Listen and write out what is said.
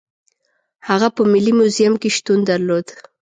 هغه په ملي موزیم کې شتون درلود.